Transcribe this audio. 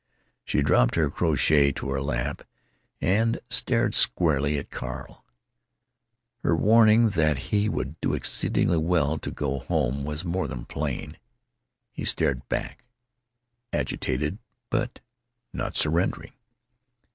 She dropped her crochet to her lap and stared squarely at Carl. Her warning that he would do exceedingly well to go home was more than plain. He stared back, agitated but not surrendering.